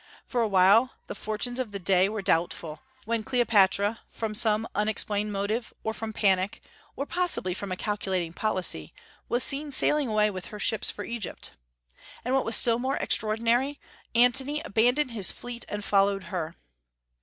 For a while the fortunes of the day were doubtful, when Cleopatra, from some unexplained motive, or from panic, or possibly from a calculating policy, was seen sailing away with her ships for Egypt. And what was still more extraordinary, Antony abandoned his fleet and followed her.